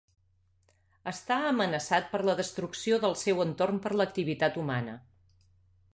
Està amenaçat per la destrucció del seu entorn per l'activitat humana.